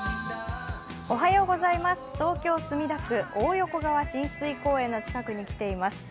東京・墨田区、大横川親水公園の近くに来ています。